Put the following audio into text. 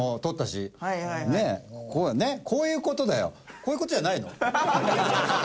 こういう事じゃないの？